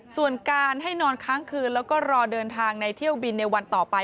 ส่วนการให้นอนค้างคืนแล้วก็รอเดินทางในเที่ยวบินในวันต่อไป